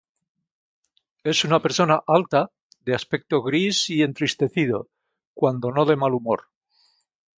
Es una persona alta, de aspecto gris y entristecido, cuando no de mal humor.